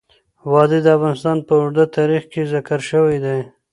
وادي د افغانستان په اوږده تاریخ کې ذکر شوی دی.